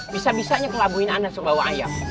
bisa bisanya kelabuin anda sebuah ayam